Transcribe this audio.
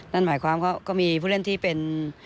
นั่นหมายความก็มีผู้เล่นที่เป็น